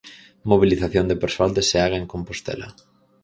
Mobilización de persoal de Seaga en Compostela.